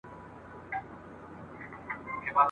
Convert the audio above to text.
څوک له تاج سره روان وي چا اخیستې خزانې وي ..